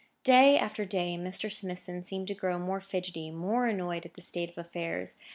Day after day Mr. Smithson seemed to grow more fidgety, more annoyed at the state of affairs.